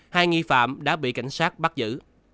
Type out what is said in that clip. hai nghi phạm đã bị cảnh sát bắt giữ